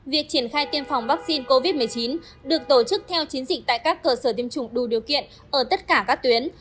việc triển khai tiêm phòng vaccine covid một mươi chín được tổ chức theo chiến dịch tại các cơ sở tiêm chủng đủ điều kiện ở tất cả các tuyến